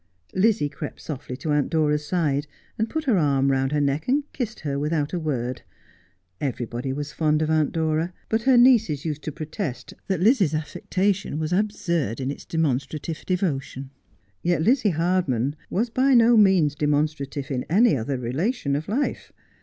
Lizzie crept softly to Aunt Dora's side and put her arm round her neck and kissed her, without a word. Everybody was fond of Aunt Dora, but her nieces used to protest that Lizzie's affection was absurd in its demonstrative devotion. Yet Lizzie Hardman was by no means demonstrative in any other relation of life.